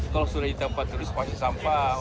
kalau sudah di tempat terus pasti sampah